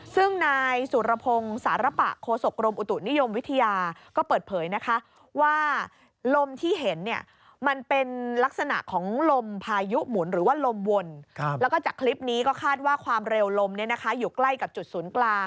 ซึ่งนายสุรพงศ์สารปะโฆษกรมอุตุนิยมวิทยา